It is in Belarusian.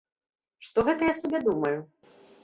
Што гэта я сабе думаю?